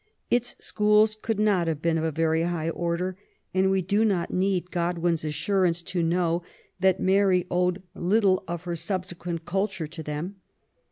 Its schools could not have been of a very high order, and we do not need Godwin's assurance to know that Mary owed little of her subse* quent culture to them.